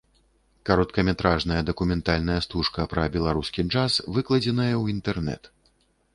Кароткаметражная дакументальная стужка пра беларускі джаз выкладзеная ў інтэрнэт.